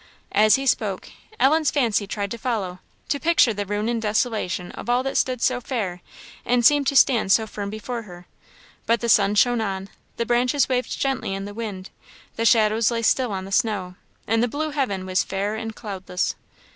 As he spoke, Ellen's fancy tried to follow to picture the ruin and desolation of all that stood so fair, and seemed to stand so firm before her; but the sun shone on, the branches waved gently in the wind, the shadows lay still on the snow, and the blue heaven was fair and cloudless.